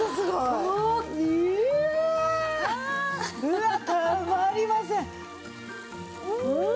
うわったまりません！